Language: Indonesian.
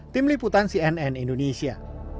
tim liputan cnn indonesia